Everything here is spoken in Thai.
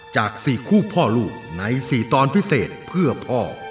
จาก๔คู่พ่อลูกใน๔ตอนพิเศษเพื่อพ่อ